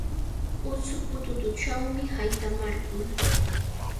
Utsuputuuchawmi haytamarqun.